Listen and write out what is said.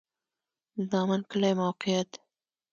د دامن کلی موقعیت